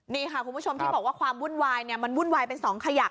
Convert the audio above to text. นี่ค่ะคุณผู้ชมที่บอกว่าความวุ่นวายเนี่ยมันวุ่นวายเป็นสองขยะ